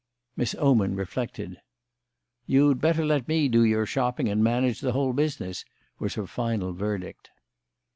Miss Oman reflected. "You'd better let me do your shopping and manage the whole business," was her final verdict.